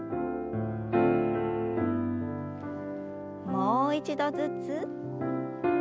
もう一度ずつ。